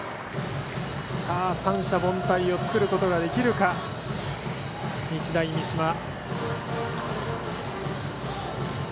三者凡退を作ることができるか、日大三島。